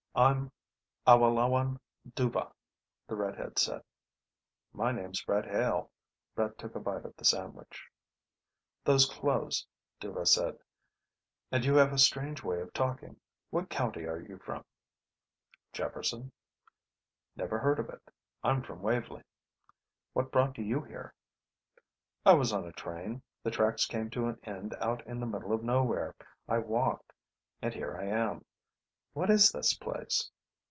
"I'm Awalawon Dhuva," the red head said. "My name's Brett Hale." Brett took a bite of the sandwich. "Those clothes," Dhuva said. "And you have a strange way of talking. What county are you from?" "Jefferson." "Never heard of it. I'm from Wavly. What brought you here?" "I was on a train. The tracks came to an end out in the middle of nowhere. I walked ... and here I am. What is this place?"